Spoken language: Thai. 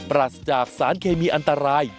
รัสจากสารเคมีอันตราย